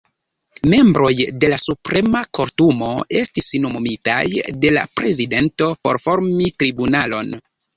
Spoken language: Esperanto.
Membroj de la Suprema Kortumo estis nomumitaj de la prezidento por formi tribunalon.